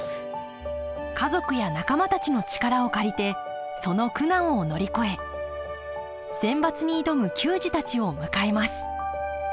家族や仲間たちの力を借りてその苦難を乗り越えセンバツに挑む球児たちを迎えます